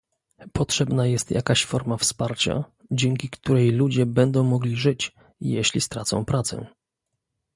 Potrzebna jest jakaś forma wsparcia, dzięki której ludzie będą mogli żyć, jeśli stracą pracę